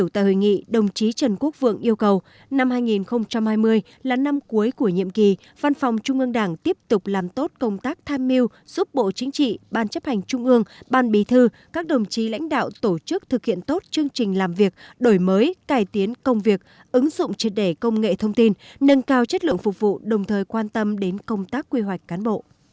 trong năm hai nghìn một mươi chín văn phòng trung ương đảng đã cơ bản hoàn thành tốt chương trình kế hoạch công tác trọng tâm đề ra xử lý kịp thời nhiều vụ việc phát sinh bổ dung